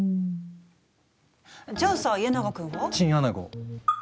じゃあさ家長君は？チンアナゴ！